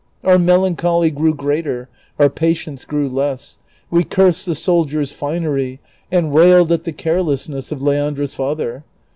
Our melancholy grew gi'eater, our patience grew less ; we cursed the soldier's tineiy and 432 DON QUIXOTE. railed at the carelessness of Leandra's father.